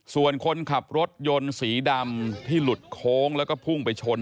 ส่วนคนขับรถยนต์สีดำที่หลุดโค้งแล้วก็พุ่งไปชน